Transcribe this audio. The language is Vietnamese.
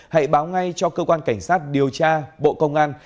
hãy báo ngay cho cơ quan cảnh sát điều tra bộ công an